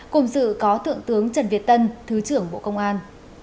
cùng sự có thượng tướng trần việt tân thứ trưởng bộ công an